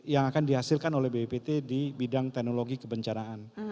yang akan dihasilkan oleh bppt di bidang teknologi kebencanaan